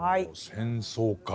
戦争か。